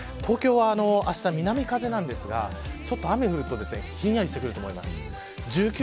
東京はあした南風なんですが雨が降るとひんやりしてくると思います。